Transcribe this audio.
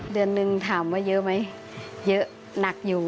เดือนนึงถามว่าเยอะไหมเยอะหนักอยู่